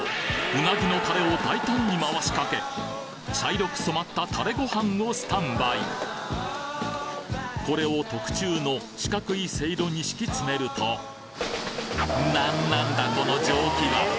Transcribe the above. うなぎのタレを大胆にまわしかけ茶色く染まったタレご飯をスタンバイこれを特注の四角いせいろに敷き詰めると何なんだこの蒸気は！